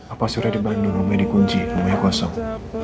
apa suri di bandung rumahnya di kunci rumahnya kosong